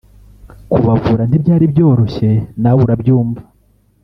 kubavura ntibyari byoroshye na we urabyumva